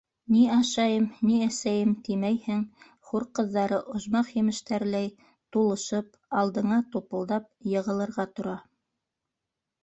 Ни ашайым, ни әсәйем тимәйһең, хур ҡыҙҙары, ожмах емештәреләй тулышып, алдыңа тупылдап йығылырға тора.